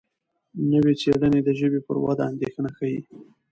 نوې څېړنې د ژبې پر وده اندېښنه ښيي.